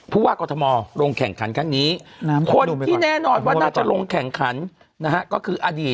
ผู้ว่ากรทมลงแข่งขันครั้งนี้คนที่แน่นอนว่าน่าจะลงแข่งขันนะฮะก็คืออดีต